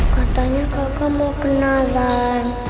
katanya kakak mau kenalan